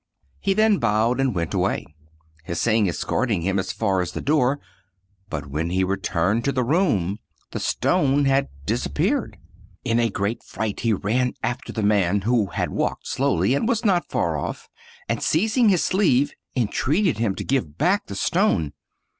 He then bowed and went away, Hsing es corting him as far as the door; but when he returned to the room the stone had disappeared. In a great fright, he ran after the old man, who had walked slowly and was not far oflf, and seizing his sleeve entreated him to give back the stone.